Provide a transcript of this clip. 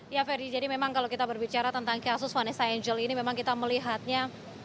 ya ferdi jadi memang kalau kita berbicara tentang kasus vanessa angel ini memang kita melihatnya